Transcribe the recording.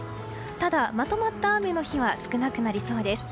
ただ、まとまった雨の日は少なくなりそうです。